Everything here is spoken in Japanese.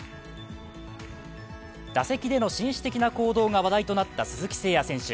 打席での紳士的な行動が話題となった鈴木誠也選手。